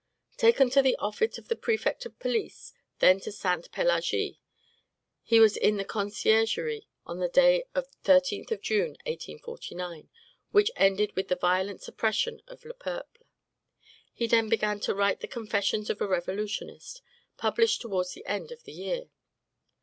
Taken to the office of the prefect of police, then to Sainte Pelagie, he was in the Conciergerie on the day of the 13th of June, 1849, which ended with the violent suppression of "Le Peuple." He then began to write the "Confessions of a Revolutionist," published towards the end of the year.